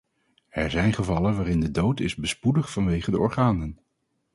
Er zijn gevallen waarin de dood is bespoedigd vanwege de organen.